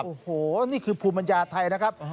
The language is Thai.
โอ้โหนี่คือภูมิปัญญาไทยนะครับ